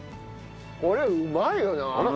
これうまいよな。